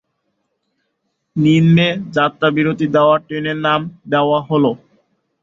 নিম্নে যাত্রাবিরতি দেওয়া ট্রেনের নাম দেওয়া হলোঃ